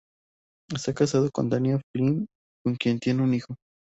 Está casado con Tanya Flynn con quien tiene un hijo.